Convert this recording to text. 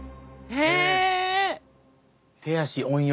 へえ！